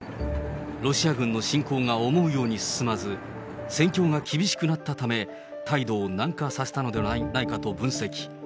ロシア軍の侵攻が思うように進まず、戦況が厳しくなったため、態度を軟化させたのではないかと分析。